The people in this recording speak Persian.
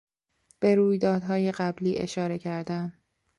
به رویدادهای قبلی اشاره کردن